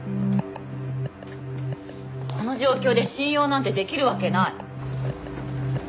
この状況で信用なんてできるわけない。